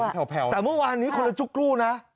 แต่เมื่อวานนี้คนละจุ๊กกรูนะ